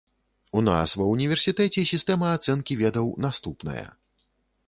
У нас ва ўніверсітэце сістэма ацэнкі ведаў наступная.